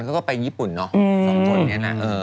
เขาก็ไปญี่ปุ่นเนอะ๒คนเนี่ยนะ